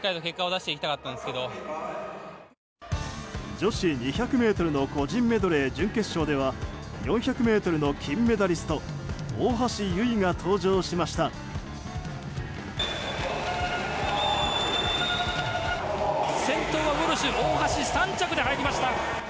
女子２００ｍの個人メドレー準決勝では４００ｍの金メダリスト大橋悠依が登場しました。